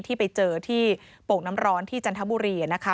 ที่ไปเจอที่โปรกน้ำร้อนที่จันทบุรีค่ะนะคะ